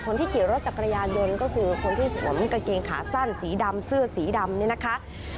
คนที่ขี่รถจักรยานยนต์ก็คือคนที่สวมกางเกงขาสั้นสีดำเสื้อสีดำเนี่ยนะคะ